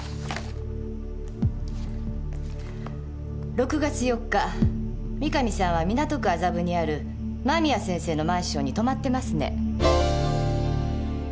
６月４日三神さんは港区麻布にある間宮先生のマンションに泊まってますね？